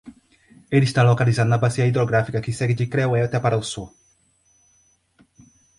Ele está localizado na bacia hidrográfica que segue de Creueta para o sul.